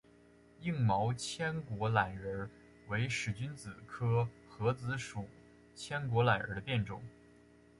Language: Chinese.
硬毛千果榄仁为使君子科诃子属千果榄仁的变种。